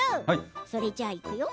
それじゃあ、いくよ！